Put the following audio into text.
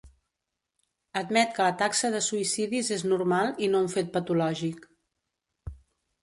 Admet que la taxa de suïcidis és normal i no un fet patològic.